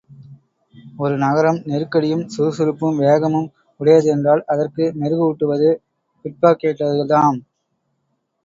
ஒரு நகரம் நெருக்கடியும் சுருசுருப்பும் வேகமும் உடையது என்றால் அதற்கு மெருகு ஊட்டுவது பிக்பாக்கட்டுகள்தாம்.